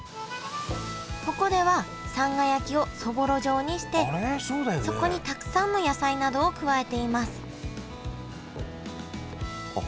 ここではさんが焼きをそぼろ状にしてそこにたくさんの野菜などを加えていますあっ